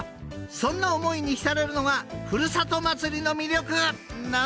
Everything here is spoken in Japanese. ［そんな思いに浸れるのがふるさと祭りの魅力なんだよね］